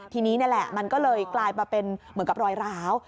ทีนี้นี่แหละมันก็เลยกลายมาเป็นเหมือนกับรอยร้าว